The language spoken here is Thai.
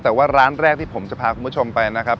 แต่ว่าร้านแรกที่ผมจะพาคุณผู้ชมไปนะครับ